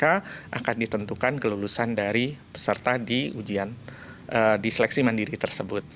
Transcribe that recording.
akan ditentukan kelulusan dari peserta di seleksi mandiri tersebut